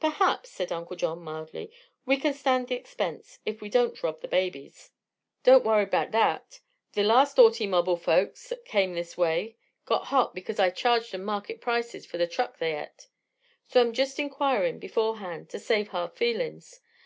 "Perhaps," said Uncle John mildly, "we can stand the expense if we won't rob the babies." "Don't worry 'bout thet. The last autymobble folks as come this way got hot because I charged 'em market prices fer the truck they et. So I'm jest inquirin' beforehand, to save hard feelin's.